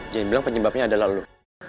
jangan bilang penyebabnya adalah lo